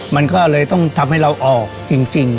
มันก็เลยต้องทำให้เราออกจริง